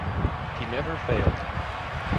He never failed.